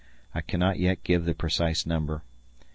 I cannot yet give the precise number.